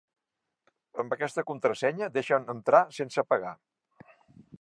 Amb aquesta contrasenya deixen entrar sense pagar.